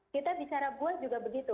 kita bicara buah juga begitu